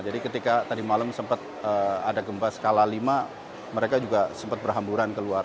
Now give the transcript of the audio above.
jadi ketika tadi malam sempat ada gempa skala lima mereka juga sempat berhamburan keluar